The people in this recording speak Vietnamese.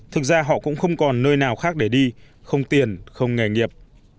thực ra họ cũng không còn nơi nào khác để đi không tiền không nghề nghiệp